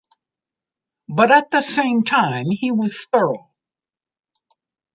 But at the same time, he was thorough.